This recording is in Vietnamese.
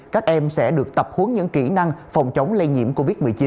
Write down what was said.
các em sẽ được tập huấn những kỹ năng phòng chống lây nhiễm covid một mươi chín